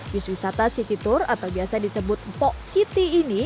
bis wisata city tour atau biasa disebut mpok city ini